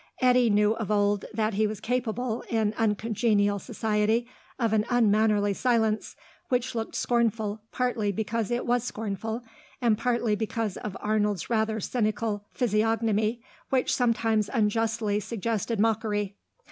Eddy knew of old that he was capable, in uncongenial society, of an unmannerly silence, which looked scornful partly because it was scornful, and partly because of Arnold's rather cynical physiognomy, which sometimes unjustly suggested mockery.